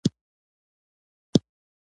ادبي هڅې